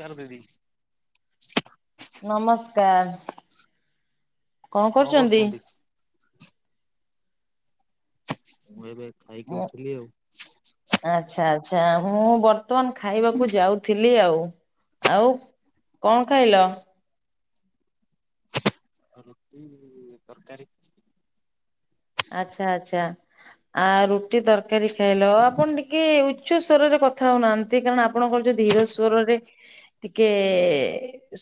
କର ଦିଦି। ନମସ୍କାର କଣ କରୁଚନ୍ତି? ମୁଁ ଏବେ ଖାଇକି ମୁଁ ଉଠିଲି ଆଉ। ଆଚ୍ଛା ଆଚ୍ଛା ମୁଁ ବର୍ତ୍ତମାନ ଖାଇବାକୁ ଯାଉଥିଲି ଆଉ। ଆଉ କଣ ଖାଇଲ? ରୁଟି ତରକାରୀ। ଆଚ୍ଛା ଆଚ୍ଛା ଆ ରୁଟି ତରକାରୀ ଖାଇଲ ଆପଣ ଟିକେ ଉଚ୍ଚ ସ୍ଵରରେ କଥା ହଉନାହାନ୍ତି କାରଣ ଆପଣଙ୍କର ଯୋଉ ଧୀର ସ୍ଵରରେ ଟିକେ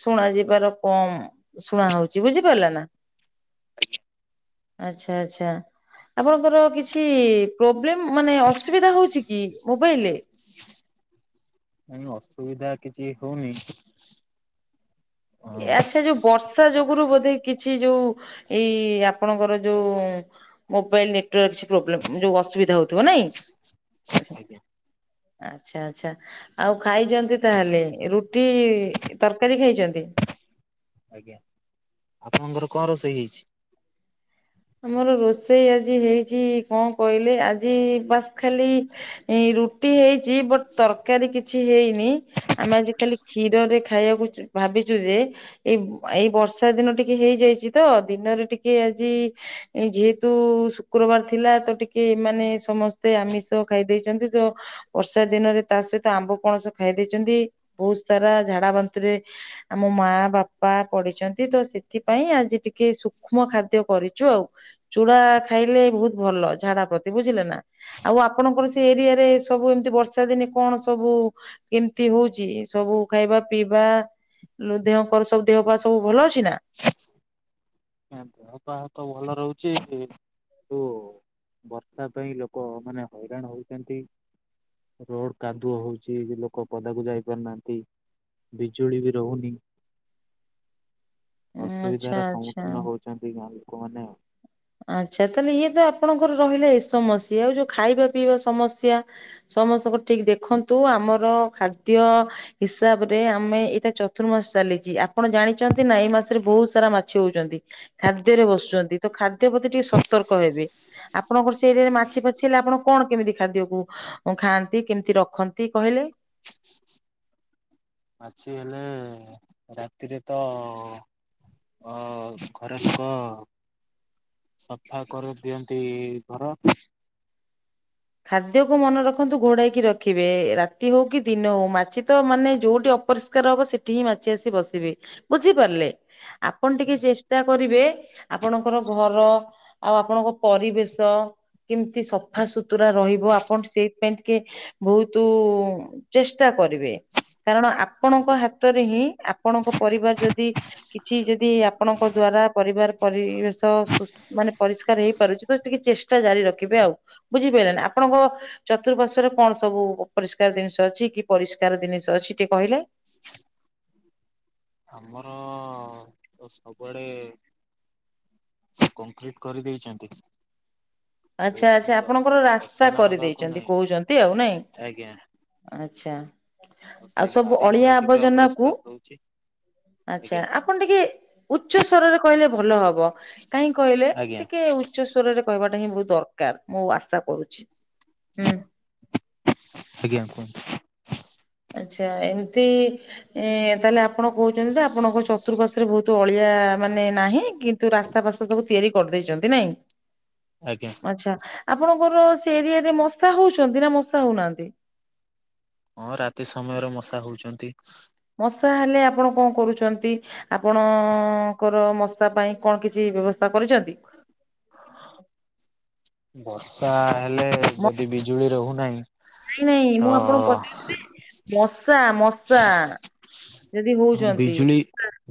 ଶୁଣା ଯିବାର କମ୍ ଶୁଣା ହଉଛି ବୁଝିପାରିଲ ନା। ଆଛା। ଆଛା ଆପଣଙ୍କର କିଛି ପ୍ରୋବ୍ଲେମ୍ ମାନେ ଅସୁବିଧା ହଉଚି କି ମୋବାଇଲରେ? ନାଇଁ ଅସୁବିଧା କିଛି ହଉନି। ଏ ହଁ ଆଚ୍ଛା ଯୋଉ ବର୍ଷା ଯୋଗୁରୁ ବୋଧେ କିଛି ଯୋଉ ଏଇ ଆପଣଙ୍କର ଯୋଉ ମୋବାଇଲ ନେଟୱାର୍କ କିଛି ପ୍ରୋବ୍ଲମ୍ ଯୋଉ ଅସୁବିଧା ହଉଥୁବ ନାଇଁ। ଆଜ୍ଞା। ଆଚ୍ଛା ଆଚ୍ଛା ଆଉ ଖାଇଚନ୍ତି ତାହେଲେ ରୁଟି ତରକାରୀ ଖାଇଚନ୍ତି। ଆଜ୍ଞା ଆପଣଙ୍କର କଣ ରୋଷେଇ ହେଇଛି? ଆମର ରୋଷେଇ ଆଜି ହେଇଛି କଁ କଇଲେ ଆଜି ବାସ୍ ଖାଲି ରୁଟି ହେଇଚି ବଟ୍ ତରକାରୀ କିଛି ହେଇ ନି ଆମେ ଆଜି ଖାଲି କ୍ଷୀରରେ ଖାଇବାକୁ ଭାବିଚୁ ଯେ ଏଇ ଏଇ ବର୍ଷା ଦିନ ଟିକେ ହେଇଯାଇଚି ତ ଦିନରେ ଟିକେ ଆଜି ଯେହେତୁ ଶୁକ୍ରବାର ଥିଲା ତ ଟିକେ ଏମାନେ ସମସ୍ତେ ଆମିଷ ଖାଇଦେଇଚନ୍ତି ତ। ବର୍ଷା ଦିନରେ ତା ସହିତ ଆମ୍ବ, ପଣସ ଖାଇ ଦେଇଚନ୍ତି ବହୁତ ସାରା ଝାଡା ବାନ୍ତିରେ ଆମ ମା ବାପା ପଡିିଚନ୍ତି ତ ସେଥିପାଇଁ ଆଜି ଟିକେ ସୂକ୍ଷ୍ମ ଖାଦ୍ୟ କରି ଚୁ ଆଉ ଚୁଡା ଖାଇଲେ ବହୁତୁ ଭଲ ଝାଡା ପ୍ରତି ବୁଝିଲେ ନା ଆଉ ଆପଣଙ୍କର ସେ ଏରିଆରେ ସବୁ ଏମିତି ବର୍ଷା ଦିନେ କଣ ସବୁ କେମିତି ହଉଚି ସବୁ ଖାଇବା ପିଇବା? ଲୋ ଦେହ କର ସବୁ ଦେହ ପା ସବୁ ଭଲ ଅଛି ନା? ଦେହ ପା ତ ଭଲ ରହୁଚି କି ନ୍ତୁ ବର୍ଷା ପାଇଁ ଲୋକମାନେ ହଇରାଣ ହଉଚନ୍ତି। ରୋଡ କାନ୍ଦୁଅ ହଉଚି ଲୋକ ପଦାକୁ ଯାଇ ପାରୁନାହାନ୍ତି। ବିଜୁଳି ବି ରହୁନି ଆଚ୍ଛା ଅସୁବିଧାର ସମୁ ଆଚ୍ଛା। ହଉଚନ୍ତି ଗାଁ ଲୋକମାନେ। ଆଚ୍ଛା ତାହେଲେ ଇଏ ତ ଆପଣଙ୍କର ରହିଲା ଏ ସମସ୍ୟା ଆଉ ଯୋଉ ଖାଇବା ପିଇବା ସମସ୍ୟା ସମସ୍ତଙ୍କ ଠିକ ଦେଖନ୍ତୁ ଆମର ଖାଦ୍ୟ ହିସାବ ରେ ଆମେ ଏଇଟା ଚତୁର୍ମାସ ଚାଲିଚି ଆପଣ ଜାଣିଚନ୍ତି ନା ଏଇ ମାସରେ ବହୁତୁ ସାରା ମାଛ ହଉଚନ୍ତି। ଖାଦ୍ୟରେ ବସୁଚନ୍ତି ତ ଖାଦ୍ୟ ପ୍ରତି ଟିକେ ସତର୍କ ହେବେ। ଆପଣଙ୍କର ସେ ଏରିଆରେ ମାଛି ପାଛି ହେଲେ ଆପଣ କଣ କେମିତି ଖାଦ୍ୟକୁ ଖାଆନ୍ତି କେମିତି ରଖନ୍ତି କହିଲେ? ମାଛି ହେଲେ ରାତିରେ ତ ଅ ଘରେ ଲୋକ ସଫା କରି ଦିଅନ୍ତି ଘର। ଖାଦ୍ୟକୁ ମନେ ରଖନ୍ତୁ ଘୋଡେଇକି ରଖିବେ ରାତି ହଉ କି ଦିନ ହଉ ମାଛି ତ ମାନେ ଯୋଉଠି ଅପରି ଷ୍କାର ହବ ସେଠି ହିଁ ମାଛି ଆସି ବସିବେ ବୁଝିପାରିଲେ ଆପଣ ଟିକେ ଚେଷ୍ଟା କରିବେ ଆପଣଙ୍କର ଘର ଆଉ ଆପଣଙ୍କ ପରିବେଶ କେମିତି ସଫା ସୁତୁରା ରହିବ ଆପଣ ସେଇପାଇଁ କିଏ ବହୁତୁ ଚେଷ୍ଟା କରିବେ କାରଣ ଆପଣଙ୍କ ଆଜ୍ଞା। ହା ତରେ ହିଁ ଆପଣଙ୍କ ପରିବାର ଯଦି କିଛି ଯଦି ଆପଣଙ୍କ ଦ୍ଵାରା ପରିବାର ପରିବେଶ ସୁ ମାନେ ପରିଷ୍କାର ହେଇପାରୁଚି ତ ଟିକେ ଚେଷ୍ଟା ଜାରି ରଖିବେ ଆଉ ବୁଝିପାଇଲେ ନା? ଆପଣଙ୍କ ଚତୁଃପାର୍ଶ୍ଵରେ କଣ ସବୁ ଅପରିଷ୍କାର ଦିନିଷ ଅଛି କି ପରିଷ୍କାର ଦିନିଷ ଅଛି ଟିଏ କହିଲେ। ଆମର ତ ସବୁଆଡ଼େ କଂକ୍ରିଟ କରିଦେଇଚନ୍ତି। ଆଚ୍ଛା ଆଚ୍ଛା ଆପଣଙ୍କର ରାସ୍ତା ଅସନା ହବାକୁ କରିଦେଇଚନ୍ତି ନାହିଁ। କୋହୁଚନ୍ତି ଆଉ, ନାଇଁ? ଆଜ୍ଞା ଆଚ୍ଛା ସେଇ ଆଉ ସବୁ ବାରି ଘର ଅଳିଆ ଟିକେ ଆବର୍ଜନାକୁ ଅପରିଷ୍କାର ରହୁଛି। ଆଚ୍ଛା ଆଜ୍ଞା ଆପଣ ଟିକେ ଉଚ୍ଚ ସ୍ବରରେ କହିଲେ ଭଲ ହବ। କାହିଁ କହିଲେ ଆଜ୍ଞା ଟିକେ ଉ ଚ୍ଚ ସ୍ବରରେ କହିବାଟା ହିଁ ବୋହୁ ଦରକାର ମୁଁ ଆଶା କରୁଚି ହୁଁ। ଆଜ୍ଞା କୁହଁ। ଆଚ୍ଛା ଏମତି ଇଁ ତାହେଲେ ଆ ପଣ କୋହୁଚନ୍ତି ତେ ଆପଣଙ୍କ ଚତୁଃପାର୍ଶ୍ଵରେ ବୋହୁତୁ ଅଳିଆ ମାନେ ନାହିଁ କିନ୍ତୁ ରାସ୍ତା ପାସ୍ତା ସବୁ ତିଆରି କରିଦେଇଚନ୍ତି, ନାଇଁ? ଆଜ୍ଞା। ଆଚ୍ଛା ଆପଣଙ୍କର ସେ ଏରିଆରେ ମଶା ହୋଉଚନ୍ତି ନାଁ ମଶା ହୋଉନାହାନ୍ତି? ହଁ ରାତି ସମୟରେ ମଶା ହୋଉଚନ୍ତି। ମଶା ହେଲେ ଆପଣ କଁ କରୁଛନ୍ତି ଆପଣଙ୍କର ମ ଶା ପାଇଁ କଣ କିଛି ବ୍ୟବସ୍ଥା କରିଚନ୍ତି? ବର୍ଷା ହେଲେ ମ- ଯଦି ବିଜୁଳି ରହୁନାହିଁ ନାଇଁ ନାଇଁ ତ ମୁଁ ଆପଣଙ୍କୁ ପଚାରୁଚି ଯେ ମଶା ମଶା। ଯଦି ହୋଉଚନ୍ତି। ବିଜୁଳି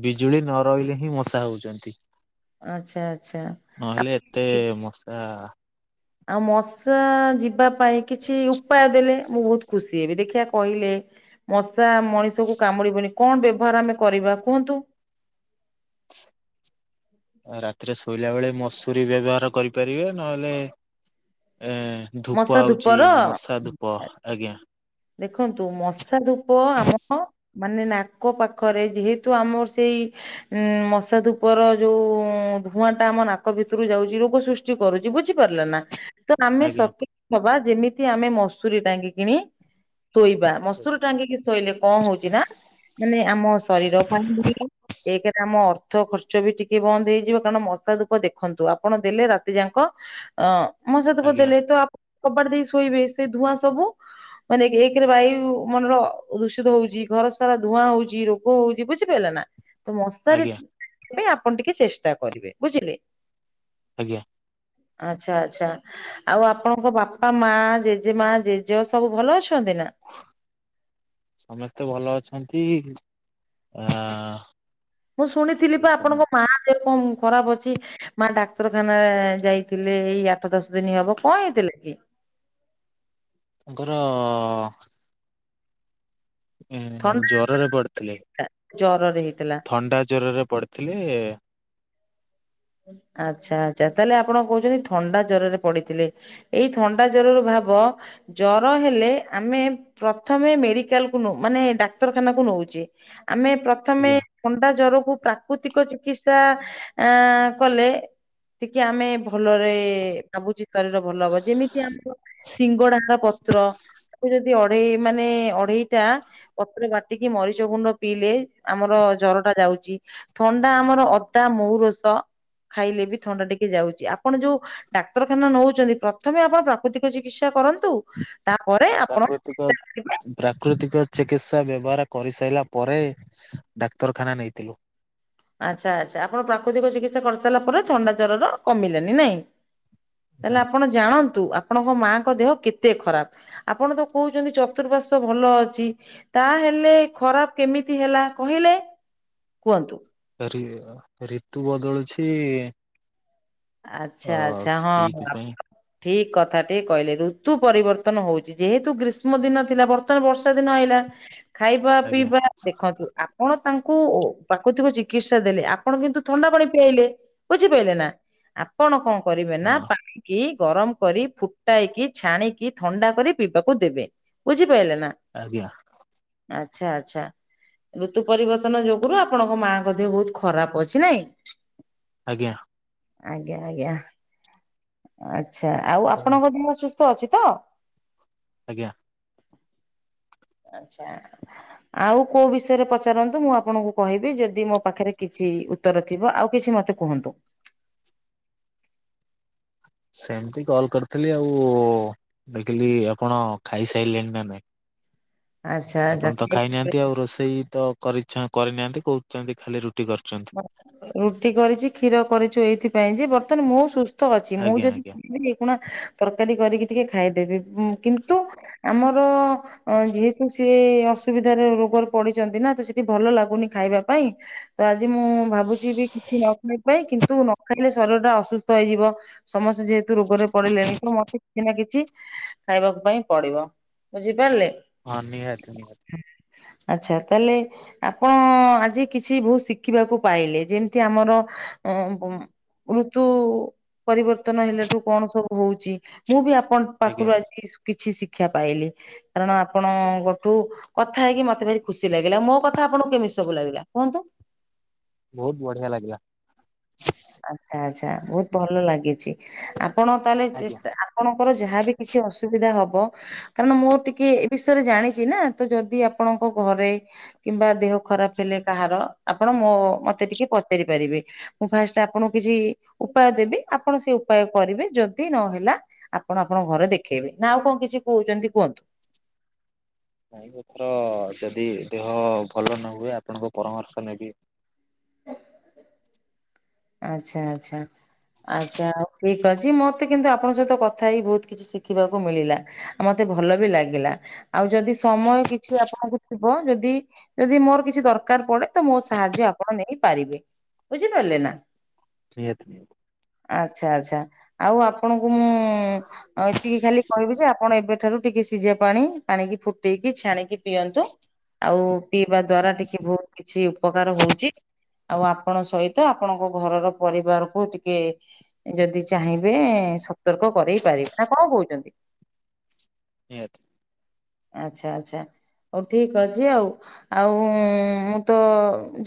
ବିଜୁଳି ନ ରହିଲେ ହିଁ ମଶା ହୋଉଚନ୍ତି। ଆଚ୍ଛା ଆଚ୍ଛା। ନହେଲେ ଆପଣ ଏତେ ମଶା ଆଉ ମଶା ଯିବା ପାଇଁ କିଛି ଉପାୟ ଦେଲେ ମୁଁ ବୋହୁତ ଖୁସି ହେବି ଦେଖିଆ କହିଲେ। ମଶା ମଣିଷକୁ କାମୁଡି଼ବନି କଁ ବ୍ୟବହାର ଆମେ କରିବା କୁହନ୍ତୁ। ଅ ରାତିରେ ଶୋଇଲା ବେଳେ ମଶୁରୀ ବ୍ୟବହାର କରିପାରିବେ ନହେଲେ ଏ ଧୂପ ମଶା ଆଉଚି ଧୂପର ମଶା ଧୂପ ଆଜ୍ଞା। ଦେଖନ୍ତୁ ମଶା ଧୂପ ଆମ ମାନେ ନାକ ପାଖରେ ଯେହେତୁ ଆମର ସେଇ ଉଁ ମଶା ଧୂପର ଯୋଉ ଧୂଆଁଟା ଆମ ନାକ ଭିତୁରୁ ଯାଉଚି ରୋଗ ସୃଷ୍ ଚି କରୁଚି ବୁଝିପାରିଲେ ନା ତ ଆମେ ଆଜ୍ଞା। ସକି ନବା ଯେମିତି ଆମେ ମଶୁରୀ ଟାଙ୍ଗିକିଣି ଶୋଇବା ମଶୁରୀ ଟାଙ୍ଗିକି ଶୋଇଲେ କଁ ହୋଉଚି ନାଁ ମାନେ ଆମ ଶରୀର ପାଇଁ ଏକଜରେ ଆମ ଅର୍ଥ ଖର୍ଚ୍ଚ ବି ଟିକେ ବନ୍ଦ ହେଇଯିବ କାଣ ମଶା ଧୂପ ଦେଖନ୍ତୁ ଆପଣ ଦେଲେ ରାତିଯାଙ୍କ ଅ ମଶା ଧୂପ ଆଜ୍ଞା ଦେଲେ ତ ଆପ କବାଟ ଦେଇ ଶୋଇବେ ସେ ଧୂଆଁ ସବୁ ମାନେ ଏକ୍ ଏକେରେ ବାୟୁ ମନର ରୁଶିତ ହୋଉଚି ଘର ସାରା ଧୂଆଁ ହୋଉଚି ରୋଗ ହୋଉଚି ବୁଝିପାଇଲେ ନାଁ? ତ ମଶାରୀ ଆଜ୍ଞା ଏବେ ଆପଣ ଟିକେ ଚେଷ୍ଟା କରିବେ ବୁଝିଲେ? ଆଜ୍ଞା। ଆଚ୍ଛା ଆଚ୍ଛା। ଆଉ ଆପଣଙ୍କ ବାପା ମା ଜେଜେମା ଜେଜେ ସବୁ ଭଲ ଅଛନ୍ତି ନାଁ? ସମସ୍ତେ ଭଲ ଅଛନ୍ତି କା ଆ ମୁଁ ଶୁଣିଥିଲି ପା ଆପଣଙ୍କ ତାଙ୍କର ମା ଦେହ ଉଁ ଖରାପ ଅଛି। ମା ଡାକ୍ତରଖାନା ଯାଇଥିଲେ ଏଇ ଆଠ ଦଶ ଦିନି ହେବ। କଁ ହେଇଥିଲା କି? ତାଙ୍କର ଏଁ ଥଣ୍ଡା ଜରରେ ପଡ଼ିଥିଲେ। ଜରରେ ହେଇଥିଲା? ଅଣ୍ଡା ଜ୍ୱରରେ ପଡ଼ିଥିଲେ। ଆଚ୍ଛା ଆଚ୍ଛା, ତାହେଲେ ଆପଣ କହୁଛନ୍ତି, ଥଣ୍ଡା ଜ୍ୱରରେ ପଡିଥିଲେ। ଏଇ ଥଣ୍ଡା ଜ୍ୱରରୁ ଭାବ ଜର ହେଲେ ଆମେ ପ୍ରଥମେ ମେଡିକାଲ କୁ ମାନେ ଡାକ୍ତରଖାନା କୁ ନଉଛେ। ଆମେ ପ୍ରଥମେ ଆଜ୍ଞା ଥଣ୍ଡା ଜ୍ୱରକୁ ପ୍ରାକୃତିକ ଚିକିତ୍ସା ଆଁ କଲେ, ଟିକେ ଆମେ ଭଲରେ ଭାବୁଛି ଶରୀର ଭଲ ହବ। ଯେମିତି ଆମର ସିଙ୍ଗଡାହାର ପତ୍ର। ତାକୁ ଯଦି ଅଢେଇ ମାନେ ଅଢେଇଟା ପତ୍ର ବାଟ୍ ଟିକି ମରିଚ ଗୁଣ୍ଡ ପିଇଲେ, ଆମର ଜର ଟା ଯାଉଚି। ଥଣ୍ଡା ଆମର ଅଦା ମଉ ରସ ଖାଇଲେ ବି ଥଣ୍ଡା ଟିକେ ଯାଉଛି। ଆପଣ ଯୋଉ ଡାକ୍ତରଖାନା ନଉଚନ୍ତି। ପ୍ରଥମେ ଆପଣ ପ୍ରାକୃତିକ ଚିକିତ୍ସା କରନ୍ତୁ। ତାପରେ ଆଉ ଆପଣ ତାକୁ ଏତିକ ପ୍ରାକୃତିକ ଚିକିତ୍ସା ବ୍ୟବହାର କରିସାଇଲା ପରେ, ଡାକ୍ତରଖାନା ନେଇଥିଲୁ। ଆଚ୍ଛା ଆଚ୍ଛା, ଆପଣ ପ୍ରାକୃତିକ ଚିକିତ୍ସା କରିସାରିଲା ପରେ, ଥଣ୍ଡା ଜ୍ୱରର କମିଲାନି ନାଇଁ। ତାହେଲେ ନାଇଁ ଆପଣ ଜାଣନ୍ତୁ, ଆପଣଙ୍କ ମାଆଙ୍କ ଦେହ କେତେ ଖରାପ? ଆପଣ ତ କହୁଛନ୍ତି, ଚତୁରପାର୍ଶ୍ୱ ଭଲ ଅଛି। ତାହେଲେ, ଖରାପ କେମିତି ହେଲା, କହିଲେ କୁହନ୍ତୁ? ରି ଅ ଋତୁ ବଦଳୁଛି। ଅ ଆଛା ଆଛା, ହଁ, ହଁ। ସେଇଥିପାଇଁ ଠିକ୍ କଥାଟି କହିଲେ ଋତୁ ପରିବର୍ତ୍ତନ ହଉଛି ଯେହେତୁ ଗ୍ରୀଷ୍ମ ଦିନ ଥିଲା। ବର୍ତ୍ତ ର୍ତ୍ତମାନ ବର୍ଷା ଦିନ ଆଇଲା। ଖାଇବା ଆଜ୍ଞା ପିଇବା ଦେଖନ୍ତୁ, ଆପଣ ତାଙ୍କୁ ପ୍ରାକୃତିକ ଚିକିତ୍ସା ଦେଲେ। ଆପ୍ ଆପଣ କିନ୍ତୁ ଥଣ୍ଡା ପାଣି ପିଆଇଲେ, ବୁଝିପାଇଲେ ନା! ଆପଣ କଣ କରିବେ ନା ହଁ ପାଣି କି ଗରମ କରି ଫୁଟାଇକି, ଛାଣିକି, ଥଣ୍ଡା କରି ପିଇବାକୁ ଦେବେ। ବୁଝିପାଇଲେ ନା! ଆଜ୍ଞା। ଆଚ୍ଛା, ଆଚ୍ଛା। ଋତୁ ପରିବର୍ତ୍ତନ ଯୋଗୁରୁ, ଆପଣଙ୍କ ମା'ଙ୍କ ଦେହ ବହୁତ ଖରାପ ଅଛି ନାଇଁ? ଆଜ୍ଞା। ଆଜ୍ଞା, ଆଜ୍ଞା, ଆଚ୍ଛା, ଆଉ ଆପଣଙ୍କ ଦେହ ସୁସ୍ଥ ଅଛି ତ? ଆଜ୍ଞା। ଆଛା। ଆଉ, କୋଉ ବିଷୟରେ ପଚାରନ୍ତୁ? ମୁଁ ଆପଣଙ୍କୁ କହିବି, ଯଦି ମୋ ପାଖରେ କିଛି ଉତ୍ତର ଥିବ। ଆଉ କିଛି ମତେ କୁହନ୍ତୁ। ସେମିତି କଲ୍ କରିଥିଲି ଆଉ-ଉ। ଦେଖିଲି ଆପଣ ଖାଇସାଇଲେଣି ନା ନାଇଁ? ଆଚ୍ଛା ଆଚ୍ଛା। ଆପଣ ତ ଖାଇନାହାନ୍ତି। ଆଉ ରୋଷେଇ ତ କରିଛା କରିନାହାନ୍ତି, କହୁଛନ୍ତି ଖାଲି ରୁଟି କରୁଛନ୍ତି। ରୁଟି କରିଛି କ୍ଷୀର କରିଛୁ, ଏଇଥିପାଇଁ ଯେ ବର୍ତ୍ତମାନ ମୁଁ ସୁସ୍ ତ ଅଛି, ମୁଁ ଆଜ୍ଞା ଆଜ୍ଞା ଯଦି [inaudible] କୁଣା ତରକାରୀ କରିକି ଟିକେ ଖାଇଦେବି। କିନ୍ତୁ ଆମର ଅ ଯେହେତୁ ସିଏ ଅସୁବିଧାରେ ରୋଗରେ ପଡିଛନ୍ତି ନା, ତ ସେଠି ଭଲ ଲାଗୁନି ଖାଇବା ପାଇଁ। ଆଜି ମୁଁ ଭାବୁଛି ବି କିଛି ନ ଖାଇ ପାଇଁ, କିନ୍ତୁ ନ ଖାଇଲେ ଶରୀର ଟା ଅସୁସ୍ଥ ହେଇଯିବ। ସମସ୍ତେ ଯେହେତୁ ରୋଗରେ ପଡିଲେଣି। ତ, ମତେ କିଛି ନା କିଛି ଖାଇବାକୁ ପାଇଁ ପଡିବ। ବୁଝିପାରିଲେ! ହଁ, ନିହାତି, ନିହାତି। ଆଚ୍ଛା, ତାହେଲେ ଆପଣ ଆଜି କିଛି, ବହୁତ ଶିକ୍ ଶିଖିବାକୁ ପାଇଲେ ଯେମିତି ଆମର ଅଁ ପମ୍ ଋତୁ ପରିବର୍ତ୍ତନ ହେଲେଠୁ, କଣ ସବୁ ହଉଛି? ମୁଁ, ବି ଆପଣଙ୍କ ଆଜ୍ଞା ପାଖରୁ ଆଜି କିଛି ଶିକ୍ଷା ପାଇଲି। କାରଣ ଆପଣ ଗୋଠୁ କଥା ହେଇକି ମତେ ଭାରି ଖୁସି ଲାଗିଲା ମୋ କଥା ଆପଣଙ୍କୁ କେମିତି ସବୁ ଲାଗିଲା କୁହନ୍ତୁ? ବହୁତ୍ ବଢିଆ ଲାଗିଲା। ଆଛା ଆଛା ବହୁତ୍ ଭଲ ଲାଗିଛି ଆପଣ ତାହେଲେ ଆଜ୍ଞା। ଚେଷ୍ଟା ଆ ଆପଣଙ୍କର ଯାହାବି କିଛି ଅସୁବିଧା ହବ କାରଣ ମୁଁ ଟିକେ ଏ ବିଷୟରେ ଜାଣିଛି ନା ତ ଯଦି ଆପଣଙ୍କ ଘରେ କିମ୍ବା ଦେହ ଖରାପ ହେଲେ କାହାର ଆପଣ ମୋ ମତେଟିକେ ପଚାରି ପାରିବେ ମୁଁ ଫାଷ୍ଟେ ଆପ୍ ପଣୁ କିଛି ଉପାୟ ଦେବି ଆପଣ ସେ ଉପାୟ କରିବେ ଯଦି ନହେଲା ଆପଣ ଆପଣଙ୍କ ଘରେ ଦେଖେଇବେ ନା ଆଉ କଣ କିଛି କହୁଛନ୍ତି କୁହନ୍ତୁ। ନାଇଁ ଏଥର ଯଦି ଦେହ ଭଲ ନ ହୁଏ ଆପଣଙ୍କ ପରାମର୍ଶ ନେବି। ଆଛା ଆଛା। ଆଚ୍ଛା ଆଉ ଠିକ ଅଛି ମତେ କିନ୍ତୁ ଆପଣଙ୍କ ସହିତ କଥା ହେଇକି ବହୁତ କିଛି ଶିଖିବାକୁ ମିଳିଲା। ଆ ମତେ ଭଲ ବି ଲାଗିଲା ଆଉ ଯଦି ସମୟ କିଛି ଆପଣଙ୍କୁ ଥି ବ ଯଦି ଯଦି ମୋର କିଛି ଦରକାର ପଡେ ତ ମୋ ସାହାଯ୍ୟ ଆପଣ ନେଇ ପାରିବେ। ବୁଝିପାରିଲେ ନା। ନିହାତି ନିହାତି। ଆଚ୍ଛା ଆଚ୍ଛା ଆଉ ଆପଣଙ୍କୁ ମୁଁ ଏତିକି ଖାଲି କହିବି ଯେ ଆପଣ ଏବେ ଠାରୁ ଟିକେ ସିଝା ପାଣି ପାଣିକି ଫୁଟେଇକି ଛାଣିକି ପିଅନ୍ତୁ। ଆଉ ପିଇବା ଦ୍ଵାରା ଟିକେ ବହୁତ କିଛି ଉପକାର ହଉଚି। ଆଉ ଆପଣ ସହିତ ଆପଣଙ୍କ ଘରର ପରିବାରକୁ ଟି ଟିକେ ଯଦି ଚାହିଁବେ ସତର୍କ କରରେଇ ପାରିବେ ନା କଣ କହୁଛନ୍ତି। ନିହାତି। ଆଚ୍ଛା ଆଚ୍ଛା ହଉ ଠିକ ଅଛି ଆଉ ଆଉ ମୁଁ ତ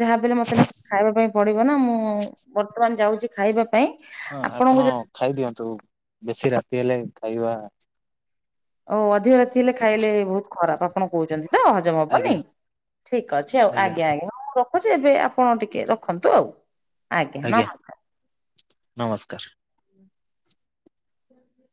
ଯାହାବି ହେଲେ ମତେ ଏନା ଖାଇବା ପାଇଁ ପଡିବ ନା ମୁଁ ବର୍ତ୍ତମାନ ଯାଉଚି ଖାଇବା ପାଇଁ। ହଁ ଆପଣଙ୍କୁ ଆପଣ ଯଦି ଖାଇଦିଅନ୍ତୁ ବେଶୀ ରାତି ହେଲେ ଖାଇବା ଓ ଅଧିକ ରାତି ହେଲେ ଖାଇଲେ ବହୁତ ଖରାପ ଆପଣ କହୁଛନ୍ତି ତ ହଜମ ହବନି। ଆଜ୍ଞା ଠିକ ଅଛି ଆଉ ଆଜ୍ଞା ଆଜ୍ଞା ମୁଁ ରଖୁଚି ଏବେ ଆପଣ ଟିକେ ରଖନ୍ତୁ ଆଉ? ଆଜ୍ଞା ନମସ୍କାର।